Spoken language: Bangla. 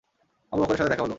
আবু বকরের সাথে দেখা হল।